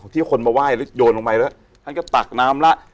ที่คนมาไหว้แล้วโยนลงไปแล้วท่านก็ตักน้ำแล้ว